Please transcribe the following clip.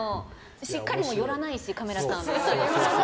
しっかり寄らないしカメラさんも。